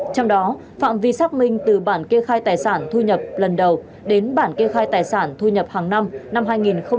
trong đó phạm vi xác minh từ bản kê khai tài sản thu nhập lần đầu đến bản kê khai tài sản thu nhập hàng năm của người được lựa chọn